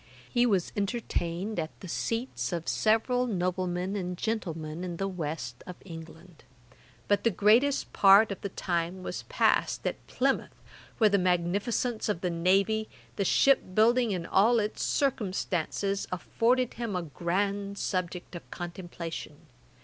He was entertained at the seats of several noblemen and gentlemen in the West of England; but the greatest part of the time was passed at Plymouth, where the magnificence of the navy, the ship building and all its circumstances, afforded him a grand subject of contemplation.